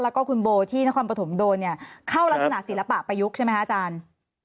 แล้วก็คุณโบที่นครปฐมโดนเนี่ยเข้ารักษณะศิลปะประยุกต์ใช่ไหมคะอาจารย์